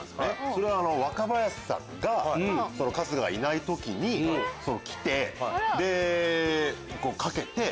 それは若林さんが春日がいない時に来てかけて。